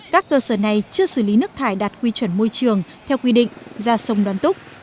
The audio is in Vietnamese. các cơ sở này chưa xử lý nước thải đạt quy chuẩn môi trường theo quy định ra sông đoan túc